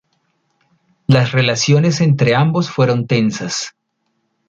Las relaciones entre ambos fueron tensas.